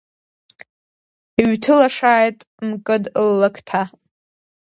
Иҩҭылашааит Мкыд ллакҭа…